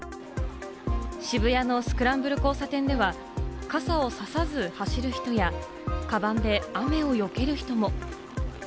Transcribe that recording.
渋谷のスクランブル交差点には、傘をささず走る人や、カバンで雨をよける人も。